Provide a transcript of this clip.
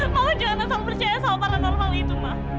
mama jangan langsung percaya sama para narwala itu ma